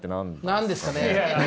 何ですかね？